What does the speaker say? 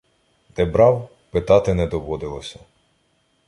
Де брав, питати не доводилося.